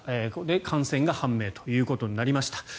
感染が判明ということになりました。